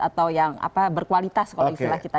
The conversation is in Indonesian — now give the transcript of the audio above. atau yang berkualitas kalau istilah kita